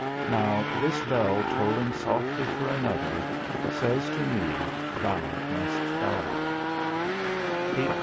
Now, this bell tolling softly for another, says to me, Thou must die 107 18.